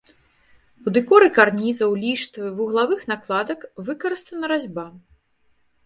У дэкоры карнізаў, ліштвы, вуглавых накладак выкарыстана разьба.